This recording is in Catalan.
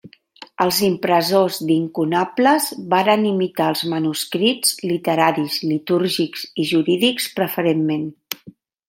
Els impressors d'incunables varen imitar els manuscrits literaris, litúrgics i jurídics preferentment.